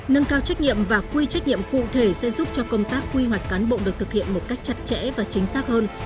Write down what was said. nâng cao trách nhiệm và quy trách nhiệm cụ thể sẽ giúp cho công tác quy hoạch cán bộ được thực hiện một cách chặt chẽ và chính xác hơn